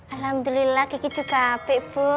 alhamdulillah kiki juga ape bu